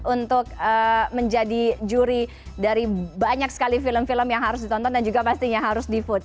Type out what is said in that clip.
untuk menjadi juri dari banyak sekali film film yang harus ditonton dan juga pastinya harus di food